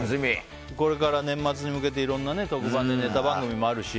これから年末に向けて特番でいろんなネタ番組もあるし。